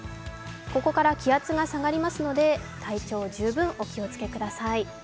ここから気圧が下がりますので、体調十分お気をつけください。